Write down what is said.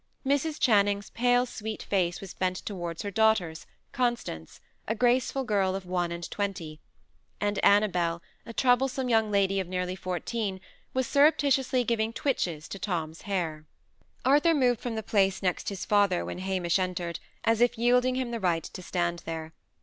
Mrs. Channing's pale, sweet face was bent towards her daughter's, Constance, a graceful girl of one and twenty; and Annabel, a troublesome young lady of nearly fourteen, was surreptitiously giving twitches to Tom's hair. Arthur moved from the place next his father when Hamish entered, as if yielding him the right to stand there.